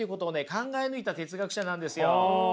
考え抜いた哲学者なんですよ。